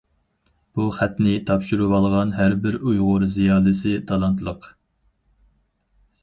بۇ خەتنى تاپشۇرۇۋالغان ھەر بىر ئۇيغۇر زىيالىيسى تالانتلىق.